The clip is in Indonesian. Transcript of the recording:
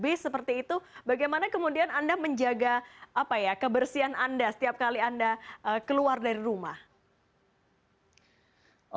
bis seperti itu bagaimana kemudian anda menjaga kebersihan anda setiap kali anda keluar dari rumah